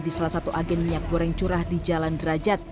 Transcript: di salah satu agen minyak goreng curah di jalan derajat